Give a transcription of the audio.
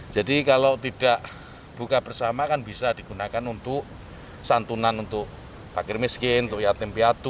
jadi kalau tidak buka bersama kan bisa digunakan untuk santunan untuk fakir miskin untuk yatim piatu